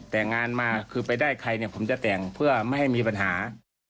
แต่งงานมาคือไปได้ใครเนี่ยผมจะแต่งเพื่อไม่ให้มีปัญหา